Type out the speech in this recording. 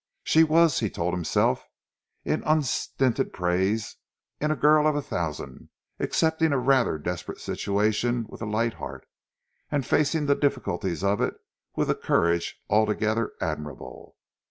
She was, he told himself, in unstinted praise, a girl of a thousand, accepting a rather desperate situation with light heart; and facing the difficulties of it with a courage altogether admirable.